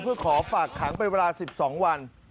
เพื่อขอฝากขังเป็นเวลา๑๒วัน